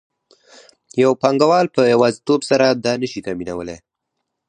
یو پانګوال په یوازیتوب سره دا نشي تامینولی